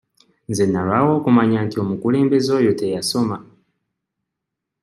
Nze nnalwawo okumanya nti omukulembeze oyo teyasoma.